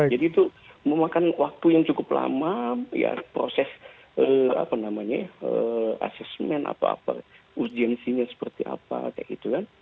jadi itu memakan waktu yang cukup lama ya proses apa namanya assessment apa apa ujianisinya seperti apa seperti itu kan